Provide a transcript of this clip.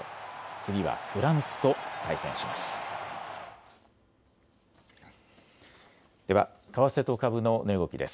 次はフランスと対戦します。